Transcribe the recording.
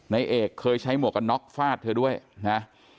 ในเอกเคยใช้หมวกกันน็อกฟาดเธอด้วยนะ